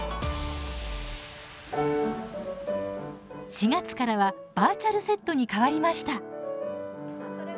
４月からはバーチャルセットに変わりました。